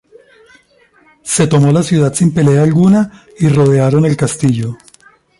Se tomó la ciudad sin pelea alguna, y rodearon el castillo.